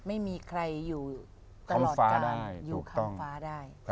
ไม่มีใครอยู่ตลอดการอยู่ข้างฟ้าได้